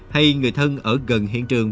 hay người thân ở gần hiện trường